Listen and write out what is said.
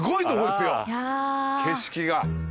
景色が。